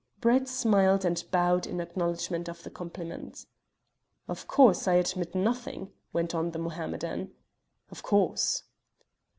Brett smiled and bowed in acknowledgment of the compliment. "Of course, I admit nothing," went on the Mohammedan. "Of course."